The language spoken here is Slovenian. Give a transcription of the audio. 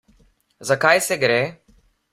Za kaj se gre?